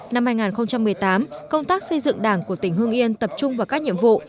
năm hai nghìn một mươi tám công tác xây dựng đảng của tỉnh hương yên tập trung vào các nhiệm vụ